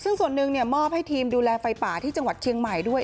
ซึ่งส่วนหนึ่งมอบให้ทีมดูแลไฟป่าที่จังหวัดเชียงใหม่ด้วย